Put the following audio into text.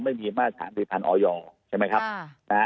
ไม่มีมาตรฐานพิพันธุ์ออยใช่ไหมครับ